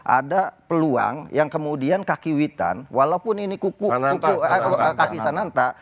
ada peluang yang kemudian kaki witan walaupun ini kuku kaki sananta